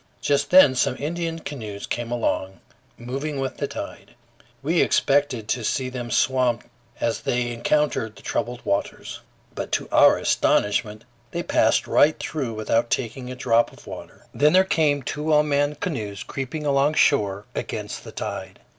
Just then some Indian canoes came along, moving with the tide. We expected to see them swamped as they encountered the troubled waters; but to our astonishment they passed right through without taking a drop of water Then there came two well manned canoes creeping alongshore against the tide.